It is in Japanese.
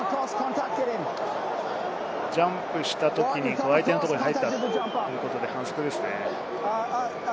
ジャンプしたときに相手のところに入ったということで反則ですね。